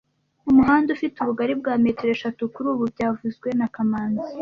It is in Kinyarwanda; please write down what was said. Umuhanda ufite ubugari bwa metero eshatu kuri ubu byavuzwe na kamanzi